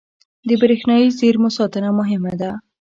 • د برېښنايي زېرمو ساتنه مهمه ده.